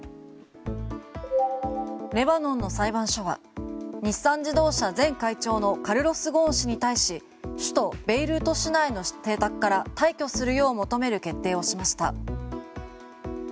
レバノンの裁判所は日産自動車前会長のカルロス・ゴーン氏に対し首都ベイルート市内の邸宅から退去するよう求める決定をしました。